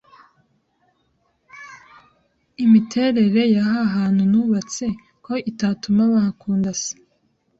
imiterere yahahantu nubatse ko itatuma bahakundas